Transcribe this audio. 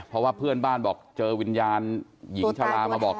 เพราะว่าเพื่อนบ้านบอกเจอวิญญาณหญิงชะลามาบอก